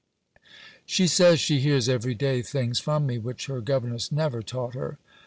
She says she hears every day things from me, which her governess never taught her.